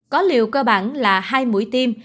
có liệu cơ bản là hai mũi tiêm